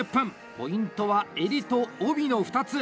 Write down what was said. ポイントは襟と帯の２つ。